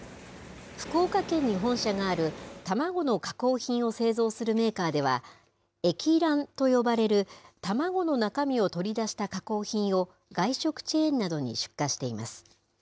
福岡県に本社がある卵の加工品を製造するメーカーでは、液卵と呼ばれる卵の中身を取り出した加工品を、外食チェーンなどに出荷しています。